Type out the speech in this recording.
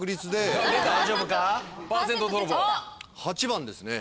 ８番ですね。